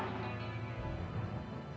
tidak mudah untuk kembali ke jalan yang benar